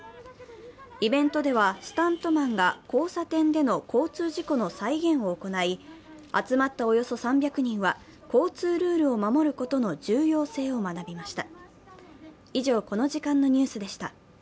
イベントではスタントマンが交差点での交通事故の再現を行い、集まったおよそ３００人は、交通ルールを守ることの重要性を学びました。